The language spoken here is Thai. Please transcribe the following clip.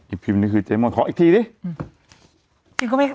อีพิมนี่คือเจมส์ขออีกทีสิ